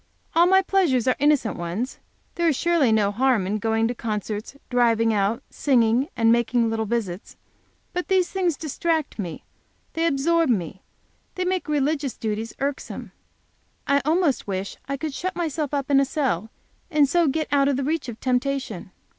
All my pleasures are innocent ones; there is surely no harm in going to concerts, driving out, singing, and making little visits! But these things distract me; they absorb me; they make religious duties irksome. I almost wish I could shut myself up in a cell, and so get out of the reach of temptation.